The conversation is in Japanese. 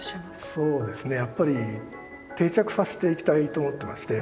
そうですねやっぱり定着させていきたいと思っていまして